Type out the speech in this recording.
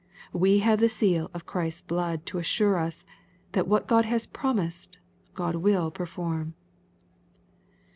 We have the seal of Christ's blood to assure us, that what God has promised God will perform.